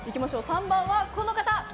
３番はこの方